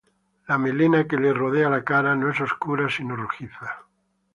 La melena de alrededor de la cara no es oscura, sino rojiza.